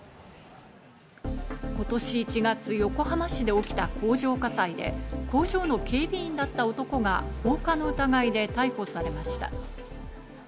今年１月、横浜市で起きた工場火災で工場の警備員だった男が放火の疑いで逮捕されました。